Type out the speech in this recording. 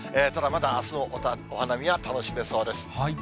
ただ、まだあすもお花見は楽しめそうです。